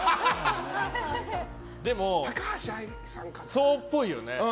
そうっぽいよね。